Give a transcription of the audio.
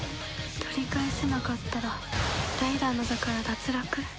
取り返せなかったらライダーの座から脱落？